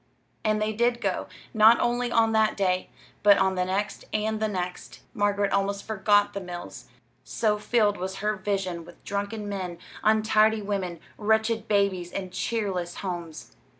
And they did go, not only on that day, but on the next and the next. Margaret almost forgot the mills, so filled was her vision with drunken men, untidy women, wretched babies, and cheerless homes.